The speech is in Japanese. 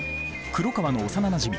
黒川の幼なじみ高畑あ